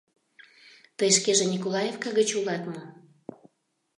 — Тый шкеже Николаевка гыч улат мо?